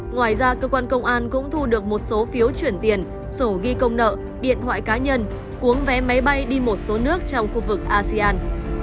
ngoài ra cơ quan công an cũng thu được một số phiếu chuyển tiền sổ ghi công nợ điện thoại cá nhân cuốn vé máy bay đi một số nước trong khu vực asean